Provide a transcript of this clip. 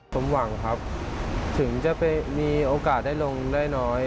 ผมหวังครับถึงจะไปมีโอกาสได้ลงได้น้อย